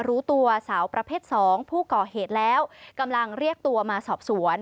รู้ตัวสาวประเภทสองผู้ก่อเหตุแล้วกำลังเรียกตัวมาสอบสวน